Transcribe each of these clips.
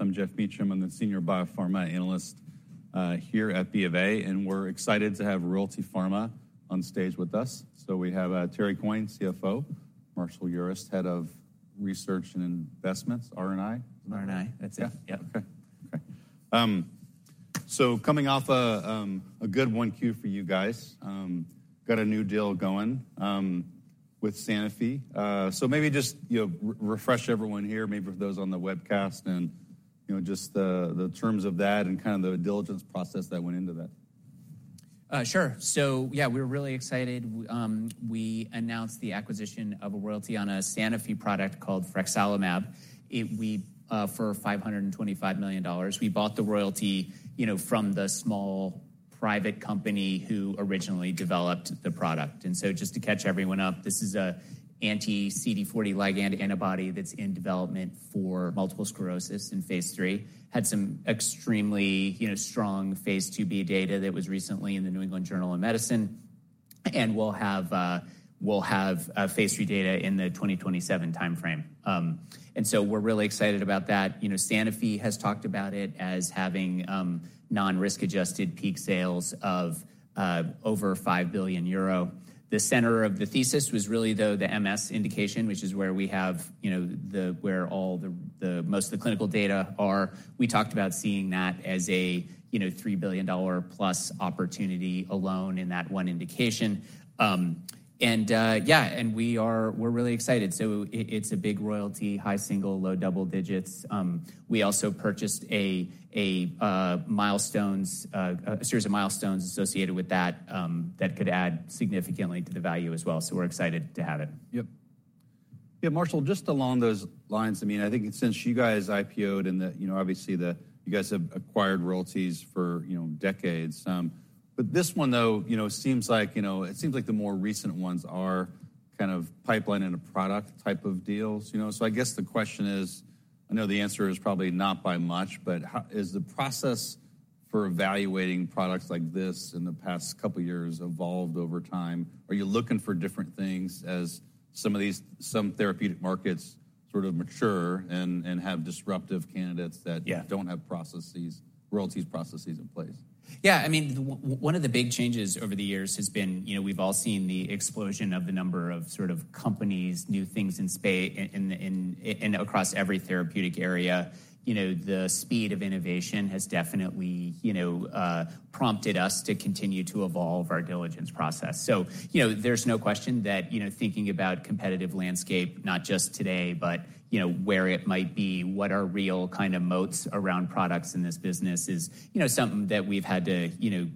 I'm Geoff Meacham. I'm the Senior Biopharma Analyst here at BofA, and we're excited to have Royalty Pharma on stage with us. So we have Terry Coyne, CFO, Marshall Urist, Head of Research and Investments, R&I. R&I, that's it. Yeah. Yeah. Okay. Great. So coming off a good 1Q for you guys, got a new deal going with Sanofi. So maybe just, you know, refresh everyone here, maybe for those on the webcast and, you know, just the terms of that and kind of the diligence process that went into that. Sure. So yeah, we're really excited. We announced the acquisition of a royalty on a Sanofi product called frexalimab. We, for $525 million, we bought the royalty, you know, from the small private company who originally developed the product. So just to catch everyone up, this is an anti-CD40 ligand antibody that's in development for multiple sclerosis in phase III. Had some extremely, you know, strong phase II-B data that was recently in the New England Journal of Medicine, and we'll have phase III data in the 2027 timeframe. So we're really excited about that. You know, Sanofi has talked about it as having non-risk-adjusted peak sales of over 5 billion euro. The center of the thesis was really, though, the MS indication, which is where we have, you know, where all the most of the clinical data are. We talked about seeing that as a, you know, $3 billion+ opportunity alone in that one indication. And we are—we're really excited. So it, it's a big royalty, high single, low double digits. We also purchased a series of milestones associated with that, that could add significantly to the value as well. So we're excited to have it. Yep. Yeah, Marshall, just along those lines, I mean, I think since you guys IPO'd, and, you know, obviously, the—you guys have acquired royalties for, you know, decades. But this one, though, you know, seems like, you know, it seems like the more recent ones are kind of pipeline and a product type of deals, you know? So I guess the question is, I know the answer is probably not by much, but how has the process for evaluating products like this in the past couple of years evolved over time? Are you looking for different things as some of these, some therapeutic markets sort of mature and, and have disruptive candidates that don't have processes, royalties processes in place? Yeah, I mean, one of the big changes over the years has been, you know, we've all seen the explosion of the number of sort of companies, new things in across every therapeutic area. You know, the speed of innovation has definitely, you know, prompted us to continue to evolve our diligence process. So, you know, there's no question that, you know, thinking about competitive landscape, not just today, but you know, where it might be, what are real kind of moats around products in this business is, you know, something that we've had to, you know,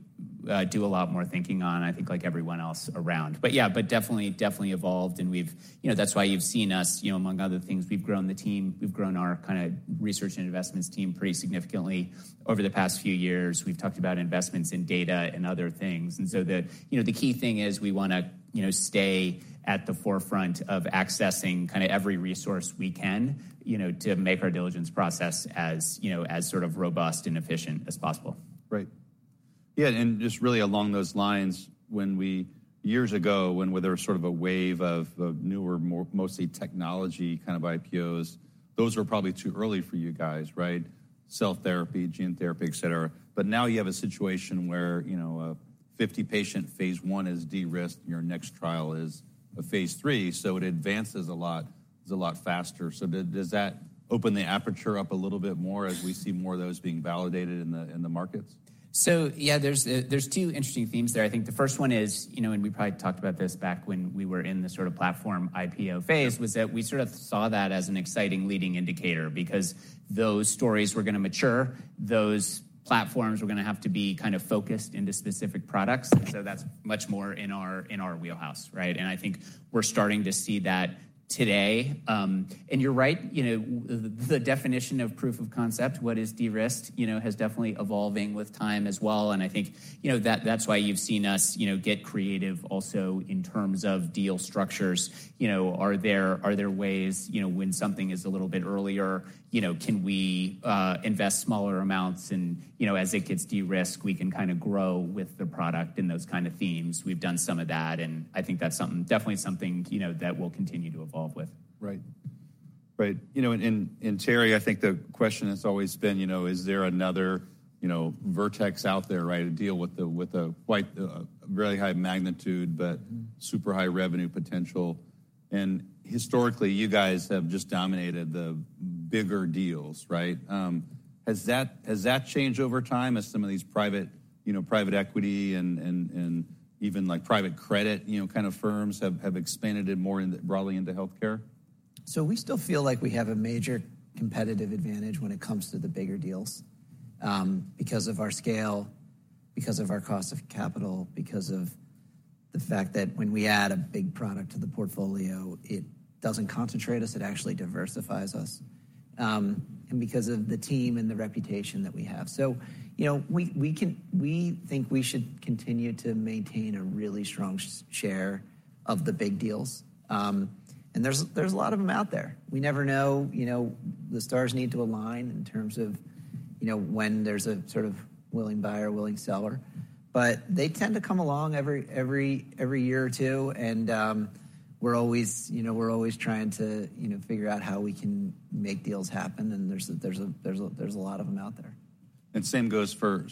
do a lot more thinking on, I think, like everyone else around. But yeah, but definitely, definitely evolved, and we've—you know, that's why you've seen us, you know, among other things, we've grown the team, we've grown our kinda research and investments team pretty significantly over the past few years. We've talked about investments in data and other things. And so the, you know, the key thing is we wanna, you know, stay at the forefront of accessing kind of every resource we can, you know, to make our diligence process as, you know, as sort of robust and efficient as possible. Right. Yeah, and just really along those lines, when we, years ago, when there was sort of a wave of newer, more mostly technology kind of IPOs, those were probably too early for you guys, right? Cell therapy, gene therapy, et cetera. But now you have a situation where, you know, a 50-patient phase I is de-risked, your next trial is a phase III, so it advances a lot, it's a lot faster. So does that open the aperture up a little bit more as we see more of those being validated in the markets? So, yeah, there's, there's two interesting themes there. I think the first one is, you know, and we probably talked about this back when we were in the sort of platform IPO phase, was that we sort of saw that as an exciting leading indicator because those stories were gonna mature, those platforms were gonna have to be kind of focused into specific products. And so that's much more in our, in our wheelhouse, right? And I think we're starting to see that today. And you're right, you know, the definition of proof of concept, what is de-risked, you know, has definitely evolving with time as well, and I think, you know, that's why you've seen us, you know, get creative also in terms of deal structures. You know, are there, are there ways, you know, when something is a little bit earlier, you know, can we, invest smaller amounts and, you know, as it gets de-risked, we can kind of grow with the product and those kind of themes? We've done some of that, and I think that's something, definitely something, you know, that we'll continue to evolve with. Right. Right. You know, and, and Terry, I think the question has always been, you know, is there another, you know, Vertex out there, right? A deal with a, with a quite, very high magnitude, but super high revenue potential. And historically, you guys have just dominated the bigger deals, right? Has that, has that changed over time as some of these private, you know, private equity and, and, and even, like, private credit, you know, kind of firms have, have expanded it more broadly into healthcare? So we still feel like we have a major competitive advantage when it comes to the bigger deals, because of our scale, because of our cost of capital, because of the fact that when we add a big product to the portfolio, it doesn't concentrate us, it actually diversifies us, and because of the team and the reputation that we have. So, you know, we can, we think we should continue to maintain a really strong share of the big deals. And there's a lot of them out there. We never know, you know, the stars need to align in terms of, you know, when there's a sort of willing buyer, willing seller. But they tend to come along every year or two, and we're always, you know, we're always trying to, you know, figure out how we can make deals happen, and there's a lot of them out there. Same goes for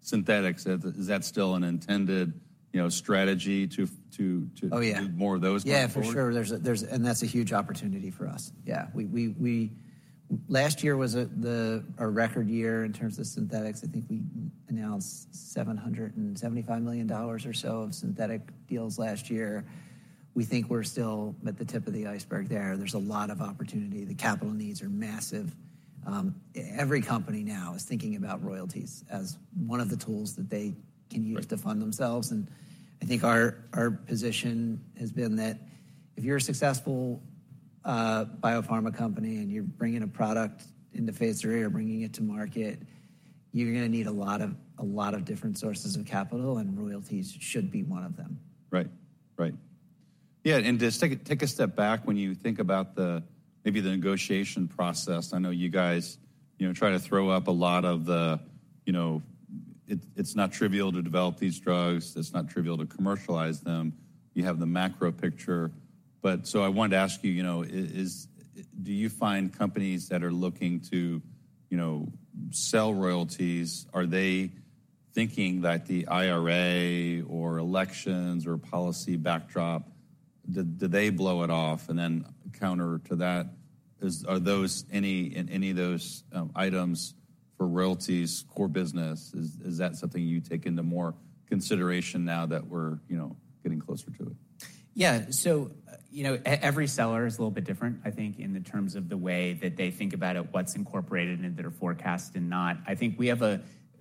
synthetics. Is that still an intended, you know, strategy to— Oh, yeah. Do more of those going forward? Yeah, for sure. There's—and that's a huge opportunity for us. Yeah, we—last year was a record year in terms of synthetics. I think we announced $775 million or so of synthetic deals last year. We think we're still at the tip of the iceberg there. There's a lot of opportunity. The capital needs are massive. Every company now is thinking about royalties as one of the tools that they can use- to fund themselves, and I think our position has been that if you're a successful biopharma company and you're bringing a product into phase III or bringing it to market, you're gonna need a lot of different sources of capital, and royalties should be one of them. Right. Right. Yeah, and just take a step back when you think about the maybe the negotiation process. I know you guys, you know, try to throw up a lot of the, you know. It, it's not trivial to develop these drugs, it's not trivial to commercialize them. You have the macro picture, but so I wanted to ask you, you know, is do you find companies that are looking to, you know, sell royalties, are they thinking that the IRA or elections or policy backdrop, do they blow it off? And then counter to that, are those any, in any of those, items for royalties core business? Is that something you take into more consideration now that we're, you know, getting closer to it? Yeah. So, you know, every seller is a little bit different, I think, in the terms of the way that they think about it, what's incorporated into their forecast and not. I think we have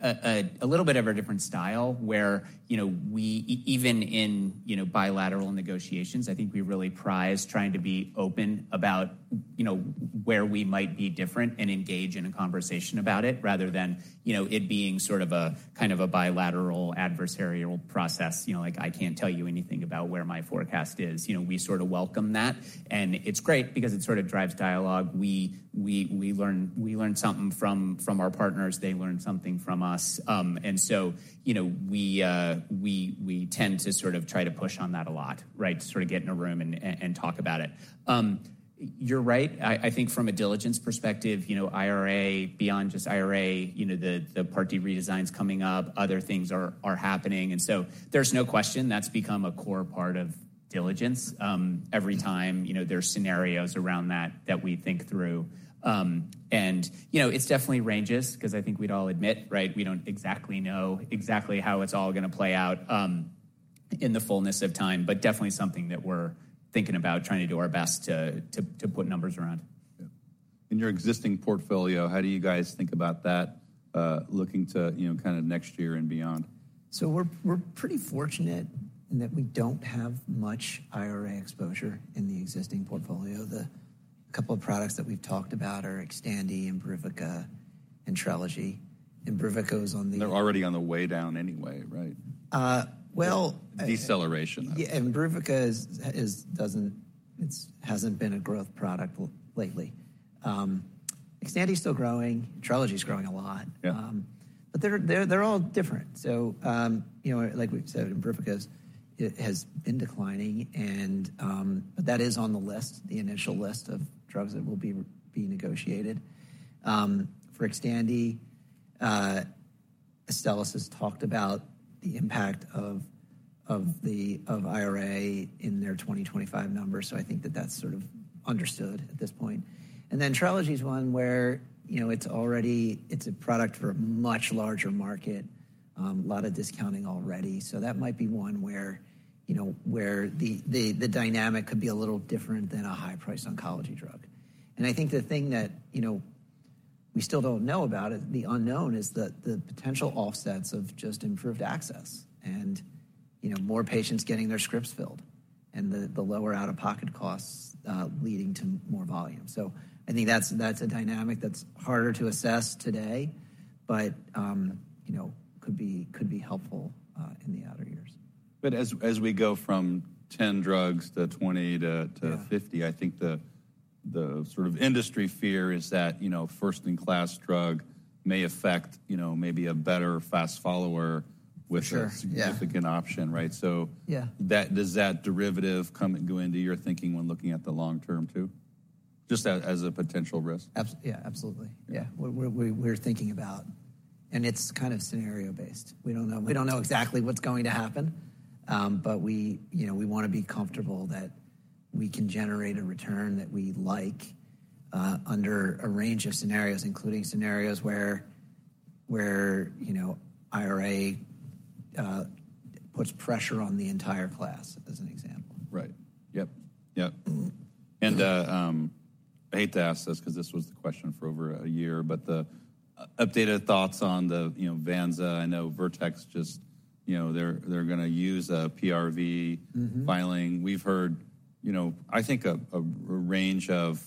a little bit of a different style, where, you know, we even in, you know, bilateral negotiations, I think we really prize trying to be open about, you know, where we might be different and engage in a conversation about it, rather than, you know, it being sort of a kind of a bilateral, adversarial process. You know, like, "I can't tell you anything about where my forecast is." You know, we sort of welcome that, and it's great because it sort of drives dialogue. We learn something from our partners, they learn something from us. And so, you know, we tend to sort of try to push on that a lot, right? Sort of get in a room and and talk about it. You're right. I think from a diligence perspective, you know, IRA, beyond just IRA, you know, the Part D redesign's coming up, other things are happening, and so there's no question that's become a core part of diligence. Every time, you know, there are scenarios around that that we think through. And, you know, it's definitely ranges, 'cause I think we'd all admit, right? We don't exactly know exactly how it's all gonna play out, in the fullness of time, but definitely something that we're thinking about, trying to do our best to put numbers around. Yeah. In your existing portfolio, how do you guys think about that, looking to, you know, kind of next year and beyond? So we're pretty fortunate in that we don't have much IRA exposure in the existing portfolio. The couple of products that we've talked about are Xtandi and Imbruvica and Trelegy. And Imbruvica was on the— They're already on the way down anyway, right? Uh, well. Deceleration. Yeah, and Imbruvica is. It hasn't been a growth product lately. Xtandi is still growing, Trelegy is growing a lot. Yeah. But they're all different. So, you know, like we've said, Imbruvica is, it has been declining and, but that is on the list, the initial list of drugs that will be negotiated. For Xtandi, Astellas has talked about the impact of the IRA in their 2025 numbers, so I think that that's sort of understood at this point. And then Trelegy is one where, you know, it's already—it's a product for a much larger market, a lot of discounting already. So that might be one where, you know, where the dynamic could be a little different than a high-priced oncology drug. I think the thing that, you know, we still don't know about it, the unknown is the potential offsets of just improved access and, you know, more patients getting their scripts filled, and the lower out-of-pocket costs leading to more volume. So I think that's a dynamic that's harder to assess today, but, you know, could be helpful in the outer years. But as we go from 10 drugs to 20-50, I think the sort of industry fear is that, you know, first-in-class drug may affect, you know, maybe a better fast follower. For sure, yeah With a significant option, right? So that, does that derivative come, go into your thinking when looking at the long term, too? Just as, as a potential risk. Yeah, absolutely. Yeah. Yeah. We're thinking about, and it's kind of scenario-based. We don't know exactly what's going to happen, but we, you know, we wanna be comfortable that we can generate a return that we like under a range of scenarios, including scenarios where, you know, IRA puts pressure on the entire class, as an example. Right. Yep. Yep. And, I hate to ask this 'cause this was the question for over a year, but the updated thoughts on the, you know, Vanza. I know Vertex just, you know, they're, they're gonna use a PRV filing. We've heard, you know, I think a range of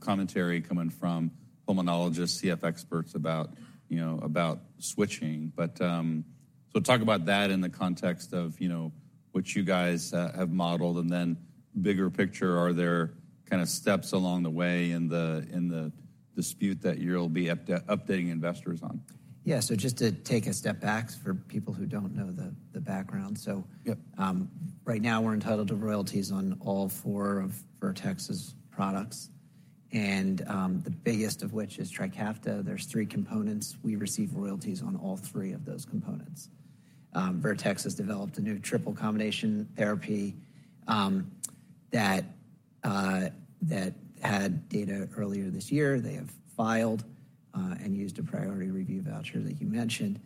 commentary coming from pulmonologists, CF experts about, you know, about switching, but—so talk about that in the context of, you know, what you guys have modeled, and then bigger picture, are there kind of steps along the way in the dispute that you'll be updating investors on? Yeah. So just to take a step back for people who don't know the background. So right now, we're entitled to royalties on all four of Vertex's products, and the biggest of which is Trikafta. There's three components. We receive royalties on all three of those components. Vertex has developed a new triple combination therapy that had data earlier this year. They have filed and used a priority review voucher, like you mentioned,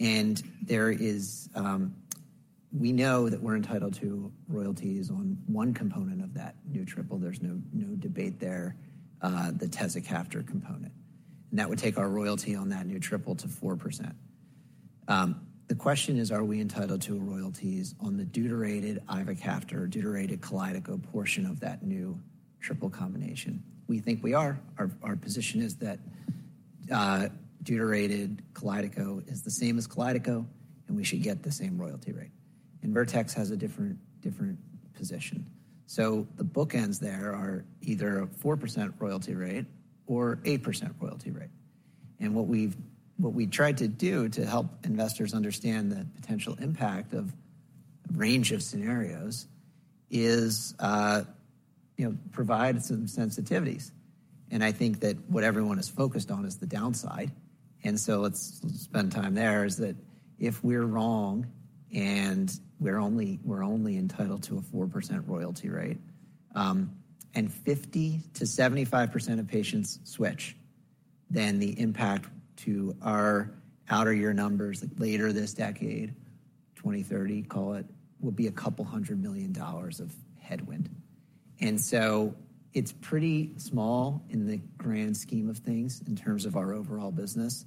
and there is—we know that we're entitled to royalties on one component of that new triple. There's no, no debate there, the tezacaftor component, and that would take our royalty on that new triple to 4%. The question is, are we entitled to royalties on the deuterated ivacaftor or deuterated Kalydeco portion of that new triple combination? We think we are. Our position is that deuterated Kalydeco is the same as Kalydeco, and we should get the same royalty rate. And Vertex has a different position. So the bookends there are either a 4% royalty rate or 8% royalty rate. And what we tried to do to help investors understand the potential impact of a range of scenarios is, you know, provide some sensitivities. And I think that what everyone is focused on is the downside, and so let's spend time there, is that if we're wrong and we're only entitled to a 4% royalty rate, and 50%-75% of patients switch, then the impact to our outer year numbers later this decade, 2030, call it, will be a couple hundred million dollars of headwind. So it's pretty small in the grand scheme of things, in terms of our overall business.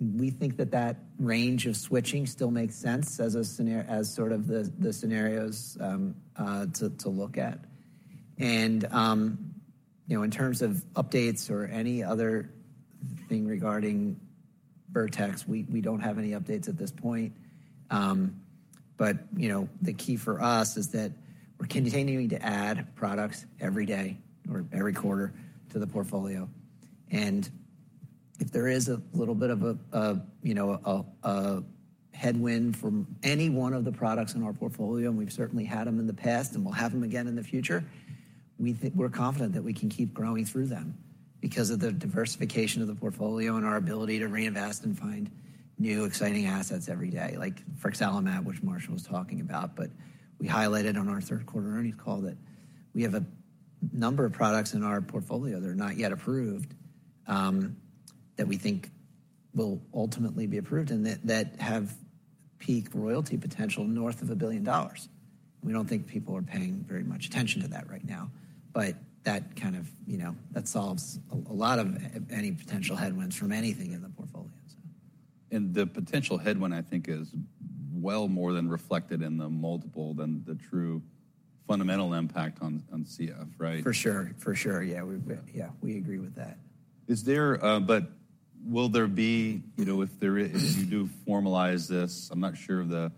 We think that that range of switching still makes sense as sort of the scenarios to look at. You know, in terms of updates or any other thing regarding Vertex, we don't have any updates at this point. But you know, the key for us is that we're continuing to add products every day or every quarter to the portfolio. And if there is a little bit of a, you know, headwind from any one of the products in our portfolio, and we've certainly had them in the past, and we'll have them again in the future, we think we're confident that we can keep growing through them because of the diversification of the portfolio and our ability to reinvest and find new, exciting assets every day, like frexalimab, which Marshall was talking about. But we highlighted on our third quarter earnings call that we have a number of products in our portfolio that are not yet approved, that we think will ultimately be approved and that have peak royalty potential north of $1 billion. We don't think people are paying very much attention to that right now, but that kind of, you know, that solves a lot of any potential headwinds from anything in the portfolio, so. The potential headwind, I think, is well more than reflected in the multiple than the true fundamental impact on, on CF, right? For sure. For sure. Yeah, yeah, we agree with that. Is there, but will there be.—you know, if there is, if you do formalize this, I'm not sure of the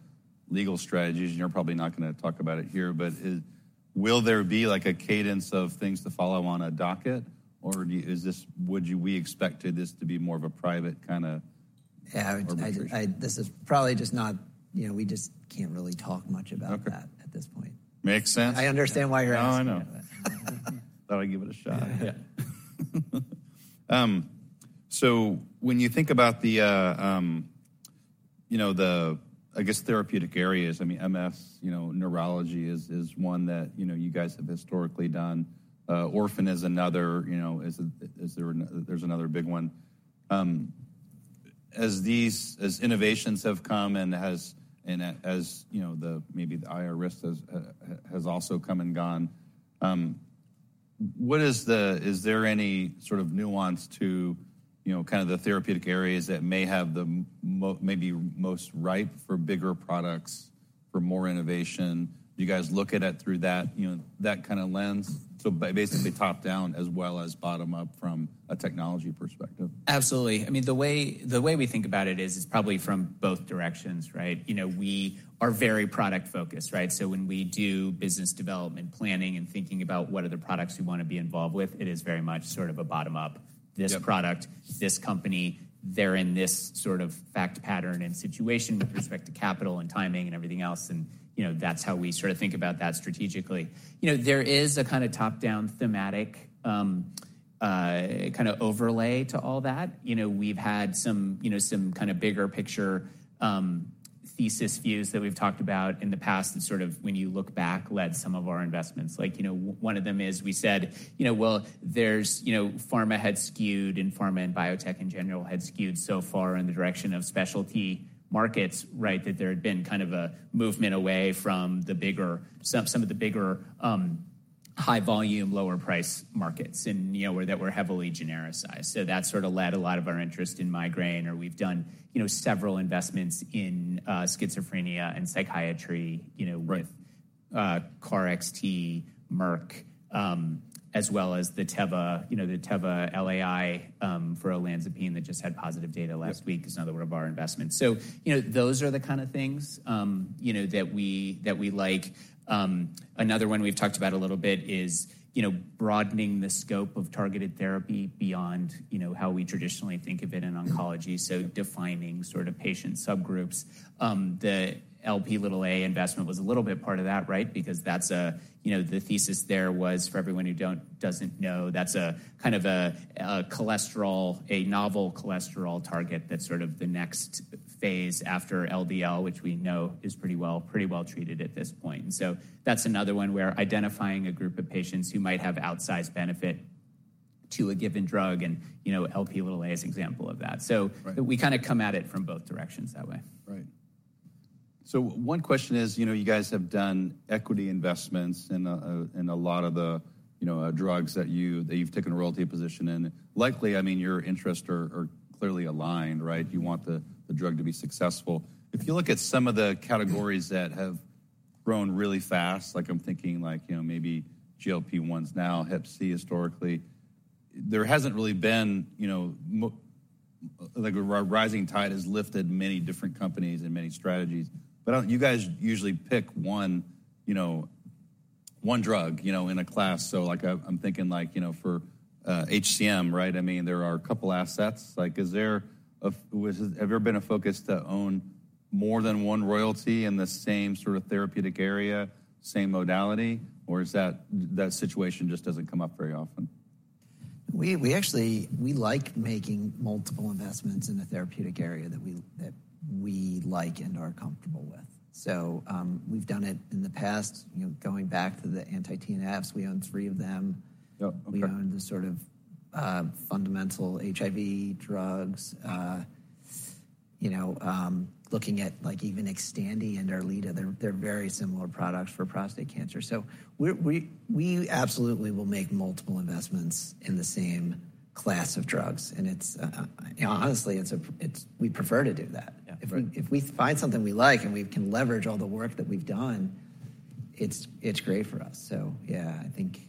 legal strategies, and you're probably not going to talk about it here, but is—will there be, like, a cadence of things to follow on a docket, or do you, is this, would you, we expect this to be more of a private kind of. Yeah. Operation? This is probably just not, you know, we just can't really talk much about that. Okay At this point. Makes sense. I understand why you're asking. No, I know. Thought I'd give it a shot. Yeah. So when you think about the, you know, the, I guess, therapeutic areas, I mean, MS, you know, neurology is one that, you know, you guys have historically done. Orphan is another, you know, there's another big one. As these innovations have come and as you know, the maybe the IRA has also come and gone, what is the. Is there any sort of nuance to, you know, kind of the therapeutic areas that may have the maybe most ripe for bigger products, for more innovation? Do you guys look at it through that, you know, that kind of lens, so by basically top-down as well as bottom-up from a technology perspective? Absolutely. I mean, the way we think about it is probably from both directions, right? You know, we are very product-focused, right? So when we do business development, planning, and thinking about what are the products we want to be involved with, it is very much sort of a bottom-up. Yep. This product, this company, they're in this sort of fact pattern and situation with respect to capital and timing and everything else, and, you know, that's how we sort of think about that strategically. You know, there is a kind of top-down thematic, kind of overlay to all that. You know, we've had some, you know, some kind of bigger picture, thesis views that we've talked about in the past that sort of, when you look back, led some of our investments. Like, you know, one of them is we said, you know, well, there's, you know, pharma had skewed and pharma and biotech in general had skewed so far in the direction of specialty markets, right? That there had been kind of a movement away from the bigger. Some of the bigger high volume, lower price markets and, you know, that were heavily genericized. So that sort of led a lot of our interest in migraine, or we've done, you know, several investments in schizophrenia and psychiatry, you know, with KarXT, Merck, as well as the Teva, you know, the Teva LAI for olanzapine that just had positive data last week is another one of our investments. So, you know, those are the kind of things, you know, that we, that we like. Another one we've talked about a little bit is, you know, broadening the scope of targeted therapy beyond, you know, how we traditionally think of it in oncology, so defining sort of patient subgroups. The Lp(a) investment was a little bit part of that, right? Because that's a, you know, the thesis there was for everyone who don't, doesn't know, that's a, kind of a, a cholesterol, a novel cholesterol target that's sort of the next phase after LDL, which we know is pretty well, pretty well treated at this point. And so that's another one where identifying a group of patients who might have outsized benefit to a given drug and, you know, Lp is an example of that. So we kind of come at it from both directions that way. Right. So one question is, you know, you guys have done equity investments in a, in a lot of the, you know, drugs that you, that you've taken a royalty position in. Likely, I mean, your interests are, are clearly aligned, right? You want the, the drug to be successful. If you look at some of the categories that have grown really fast, like I'm thinking like, you know, maybe GLP-1s now, Hep C historically, there hasn't really been, you know, like a rising tide has lifted many different companies and many strategies. But you guys usually pick one, you know, one drug, you know, in a class. So like I, I'm thinking like, you know, for HCM, right? I mean, there are a couple assets. Like, is there a focus to own more than one royalty in the same sort of therapeutic area, same modality, or is that situation just doesn't come up very often? We actually like making multiple investments in a therapeutic area that we like and are comfortable with. So, we've done it in the past, you know, going back to the anti-TNFs, we own three of them. Yep. Okay. We own the sort of fundamental HIV drugs. You know, looking at, like, even Xtandi and Erleada, they're very similar products for prostate cancer. So we absolutely will make multiple investments in the same class of drugs, and it's, honestly, we prefer to do that. Yeah. If we find something we like, and we can leverage all the work that we've done, it's great for us. So yeah, I think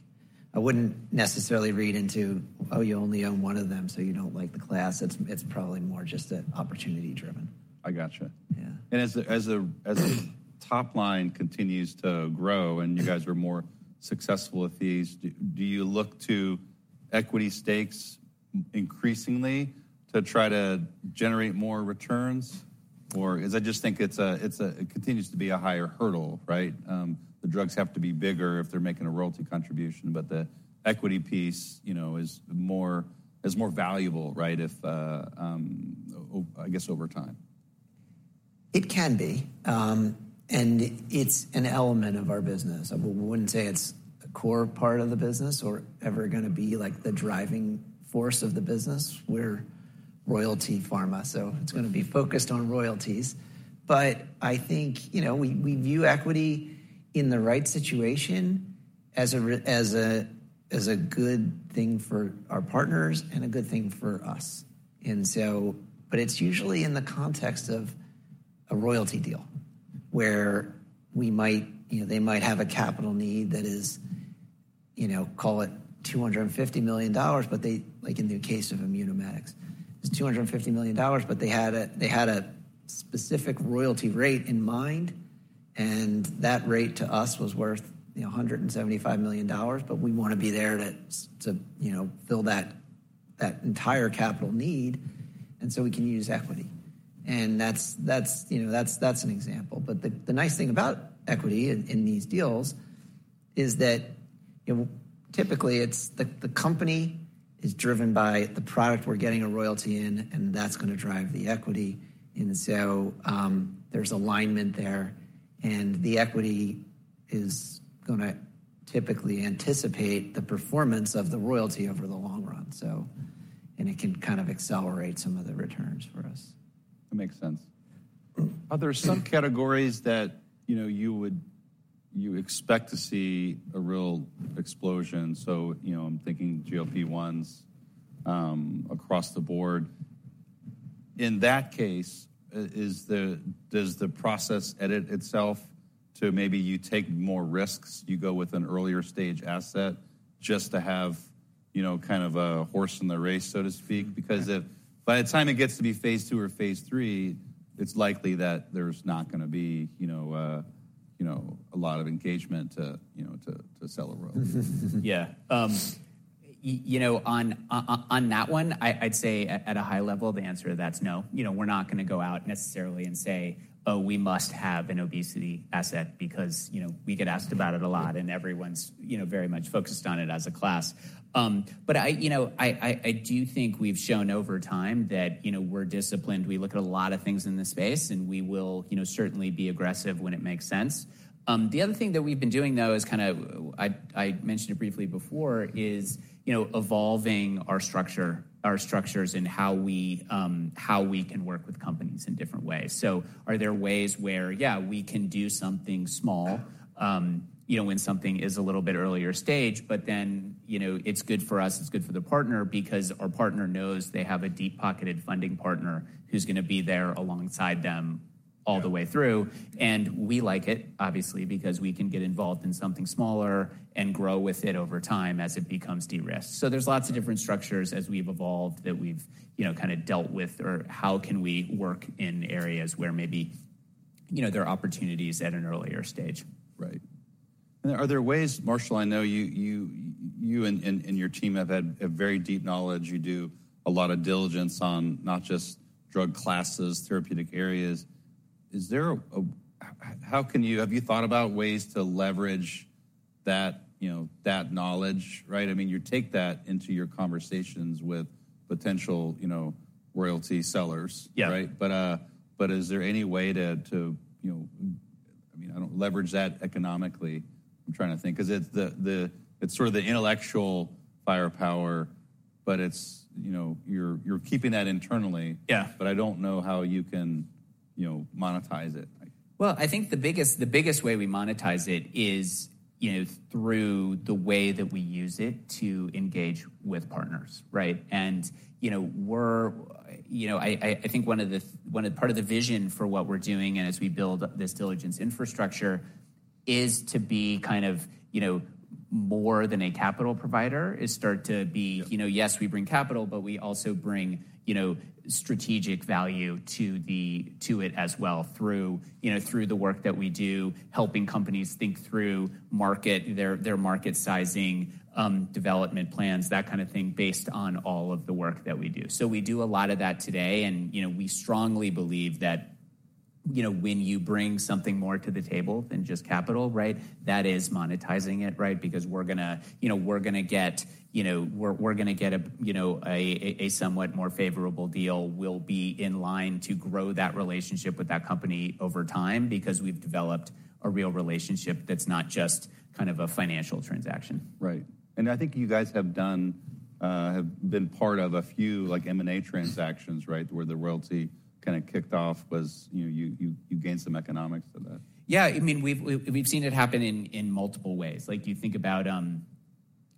I wouldn't necessarily read into, "Oh, you only own one of them, so you don't like the class." It's probably more just opportunity driven. I gotcha. Yeah. And as the top line continues to grow and you guys are more successful with these, do you look to equity stakes increasingly to try to generate more returns? I just think it continues to be a higher hurdle, right? The drugs have to be bigger if they're making a royalty contribution, but the equity piece, you know, is more valuable, right? I guess over time. It can be, and it's an element of our business. But we wouldn't say it's a core part of the business or ever gonna be like the driving force of the business. We're Royalty Pharma, so it's gonna be focused on royalties. But I think, you know, we view equity in the right situation as a good thing for our partners and a good thing for us. But it's usually in the context of a royalty deal, where we might, you know, they might have a capital need that is, you know, call it $250 million, but they—like in the case of Immunomedics, it's $250 million, but they had a, they had a specific royalty rate in mind, and that rate to us was worth, you know, $175 million, but we want to be there to, to, you know, fill that, that entire capital need, and so we can use equity. And that's, that's, you know, that's, that's an example. But the, the nice thing about equity in, in these deals is that, you know, typically it's—the, the company is driven by the product we're getting a royalty in, and that's going to drive the equity. And so, there's alignment there, and the equity is gonna typically anticipate the performance of the royalty over the long run, so—and it can kind of accelerate some of the returns for us. That makes sense. Are there some categories that, you know, you would expect to see a real explosion? So, you know, I'm thinking GLP-1s across the board. In that case, does the process edit itself to maybe you take more risks, you go with an earlier stage asset just to have, you know, kind of a horse in the race, so to speak? Because if by the time it gets to be phase II or phase III, it's likely that there's not gonna be, you know, you know, a lot of engagement to, you know, to, to sell a royalty. Yeah. You know, on that one, I'd say at a high level, the answer to that's no. You know, we're not gonna go out necessarily and say, "Oh, we must have an obesity asset," because, you know, we get asked about it a lot, and everyone's, you know, very much focused on it as a class. But, you know, I do think we've shown over time that, you know, we're disciplined. We look at a lot of things in this space, and we will, you know, certainly be aggressive when it makes sense. The other thing that we've been doing, though, is, I mentioned it briefly before, you know, evolving our structures and how we can work with companies in different ways. So are there ways where, yeah, we can do something small, you know, when something is a little bit earlier stage, but then, you know, it's good for us, it's good for the partner because our partner knows they have a deep-pocketed funding partner who's gonna be there alongside them? All the way through, and we like it, obviously, because we can get involved in something smaller and grow with it over time as it becomes de-risked. So there's lots of different structures as we've evolved that we've, you know, kind of dealt with, or how can we work in areas where maybe, you know, there are opportunities at an earlier stage. Right. Are there ways, Marshall? I know you and your team have had a very deep knowledge. You do a lot of diligence on not just drug classes, therapeutic areas. Have you thought about ways to leverage that, you know, that knowledge, right? I mean, you take that into your conversations with potential, you know, royalty sellers, right? But is there any way to, you know, I mean, I don't leverage that economically. I'm trying to think, 'cause it's the, it's sort of the intellectual firepower, but it's, you know, you're keeping that internally. Yeah. I don't know how you can, you know, monetize it. Well, I think the biggest, the biggest way we monetize it is, you know, through the way that we use it to engage with partners, right? And, you know, we're, you know. I think one of part of the vision for what we're doing and as we build up this diligence infrastructure, is to be kind of, you know, more than a capital provider, is start to be you know, yes, we bring capital, but we also bring, you know, strategic value to it as well, through, you know, through the work that we do, helping companies think through their market sizing, development plans, that kind of thing, based on all of the work that we do. So we do a lot of that today, and, you know, we strongly believe that, you know, when you bring something more to the table than just capital, right? That is monetizing it, right? Because we're gonna, you know, we're gonna get, you know, a somewhat more favorable deal. We'll be in line to grow that relationship with that company over time because we've developed a real relationship that's not just kind of a financial transaction. Right. And I think you guys have done, have been part of a few, like, M&A transactions, right? Where the royalty kind of kicked off was, you know, you gained some economics to that. Yeah, I mean, we've seen it happen in multiple ways. Like, you think about,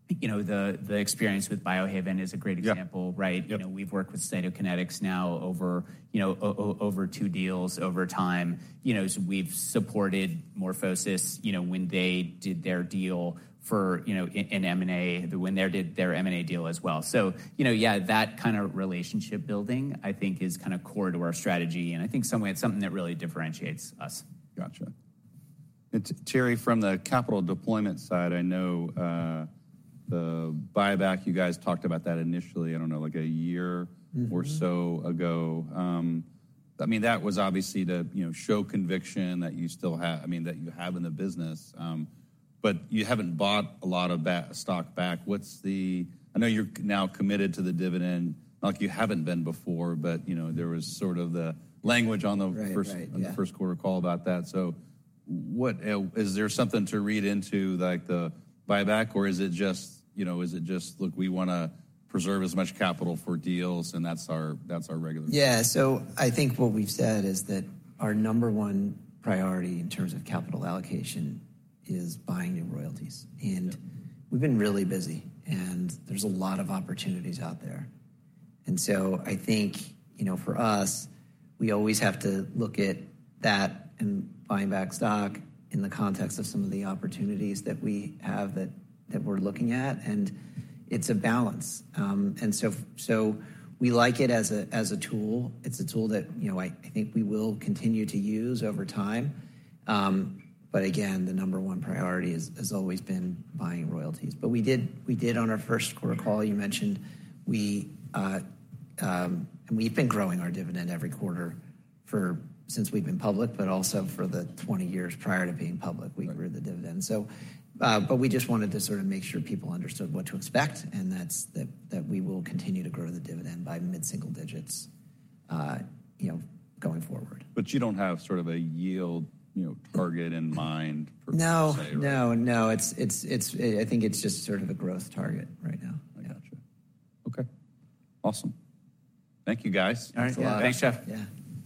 you know, the experience with Biohaven is a great example. Yeah. Right? Yep. You know, we've worked with Cytokinetics now over, you know, over two deals over time. You know, we've supported Morphic, you know, when they did their deal for, you know, in M&A, when they did their M&A deal as well. So, you know, yeah, that kind of relationship building, I think, is kind of core to our strategy, and I think some way, it's something that really differentiates us. Gotcha. Terry, from the capital deployment side, I know, the buyback, you guys talked about that initially, I don't know, like a year or so ago. I mean, that was obviously to, you know, show conviction that you still have—I mean, that you have in the business, but you haven't bought a lot of that stock back. What's the—I know you're now committed to the dividend, not you haven't been before, but, you know, there was sort of the language on the. Right, right. Yeah. First quarter call about that. So what is there something to read into, like the buyback, or is it just, you know, is it just, look, we wanna preserve as much capital for deals, and that's our, that's our regular? Yeah, so I think what we've said is that our number one priority in terms of capital allocation is buying new royalties. Yeah. We've been really busy, and there's a lot of opportunities out there. So I think, you know, for us, we always have to look at that and buying back stock in the context of some of the opportunities that we have that we're looking at, and it's a balance. So we like it as a tool. It's a tool that, you know, I think we will continue to use over time. But again, the number one priority has always been buying royalties. But we did on our first quarter call, you mentioned we've been growing our dividend every quarter for, since we've been public, but also for the 20 years prior to being public. Right We grew the dividend. So, but we just wanted to sort of make sure people understood what to expect, and that's that, that we will continue to grow the dividend by mid-single digits, you know, going forward. You don't have sort of a yield, you know, target in mind for say? No, no, no. It's, it's, it's, I think it's just sort of a growth target right now. Gotcha. Okay, awesome. Thank you, guys. All right. Yeah. Thanks, Geoff. Yeah.